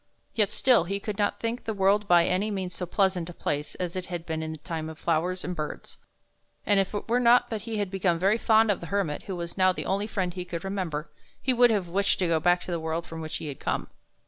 Yet still he could not think the world by any means so pleasant a place as it had been in the time of flowers and birds; and if it were not that he had become very fond of the Hermit, who was now the only friend he could remember, he would have wished 29 THE BOY WHO DISCOVERED THE SPRING to go back to the world from which he had come.